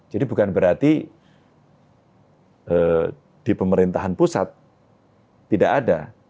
bukan berarti di pemerintahan pusat tidak ada